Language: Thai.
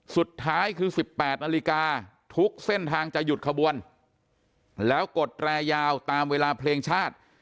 สุดท้ายคือ๑๘นาฬิกาทุกเส้นทางจะหยุดขบวนแล้วกดแรยาวตามเวลาเพลงชาติ